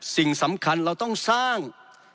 สิ่งสำคัญเราต้องสร้าง